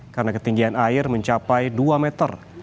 karena ketinggian air mencapai dua meter